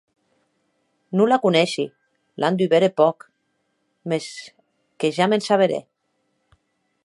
Non la coneishi; l’an dubèrt hè pòc; mès que ja m’en saberè.